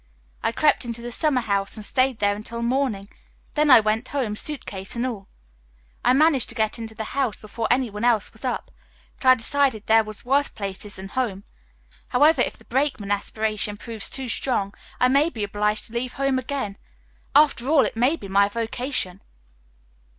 I crept into the summer house and stayed there until morning; then I went home, suit case and all. I managed to get into the house before any one else was up, but I decided there were worse places than home. However, if the brakeman aspiration proves too strong I may be obliged to leave home again. After all, it may be my vocation."